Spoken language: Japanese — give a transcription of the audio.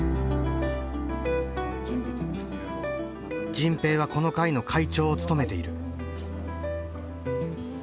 迅平はこの会の会長を務めている。